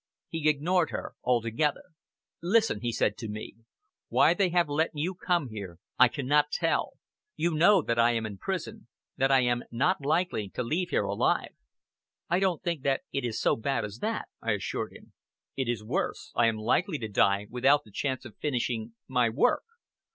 He ignored her altogether. "Listen," he said to me, "why they have let you come here I cannot tell! You know that I am in prison that I am not likely to leave here alive!" "I don't think that it is so bad as that," I assured him. "It is worse! I am likely to die without the chance of finishing my work.